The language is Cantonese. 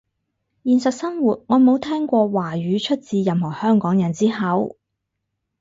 現實生活我冇聽過華語出自任何香港人之口